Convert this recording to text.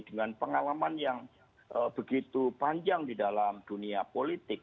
dengan pengalaman yang begitu panjang di dalam dunia politik